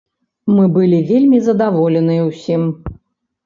Мы былі вельмі задаволеныя ўсім.